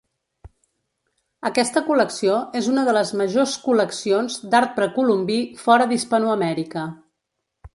Aquesta col·lecció és una de les majors col·leccions d'art precolombí fora d'Hispanoamèrica.